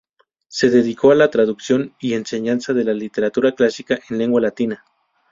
Se dedicó a la traducción y enseñanza de la literatura clásica en lengua latina.